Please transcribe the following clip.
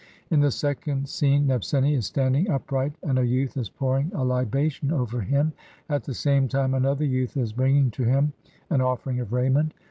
In the second scene Nebseni is standing upright and a youth is pouring a libation over him ; at the same time another youth is bringing to him an offering of raiment.